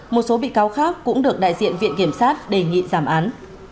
một số bị cáo khác cũng được đại diện viện kiểm sát đề nghị giảm án